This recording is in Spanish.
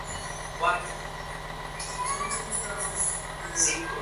La localidad se encuentra conectada con el resto de Montenegro mediante dos autopistas.